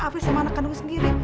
afir sama anak kandung sendiri